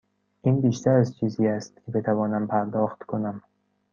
این بیشتر از چیزی است که بتوانم پرداخت کنم.